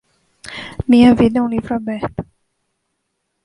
Minha vida é um livro aberto